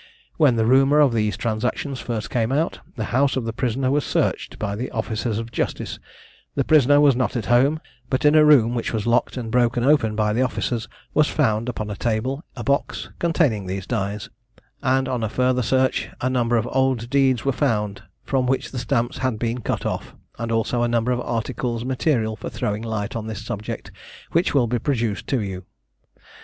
When the rumour of these transactions first came out, the house of the prisoner was searched by the officers of justice; the prisoner was not at home, but in a room which was locked and broken open by the officers, was found upon a table a box containing these dies; and on a further search, a number of old deeds were found, from which the stamps had been cut off, and also a number of articles material for throwing light on this subject, which will be produced to you.